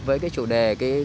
với cái chủ đề